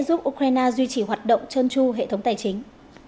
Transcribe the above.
ukraine sẽ giúp ukraine duy trì hoạt động trơn tru hệ thống tài chính